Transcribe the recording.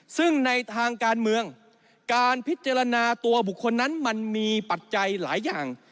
ซึ่งในทางการเมืองการพิจารณาตัวบุคคลนั้นมันมีปัจจัยหลายอย่าง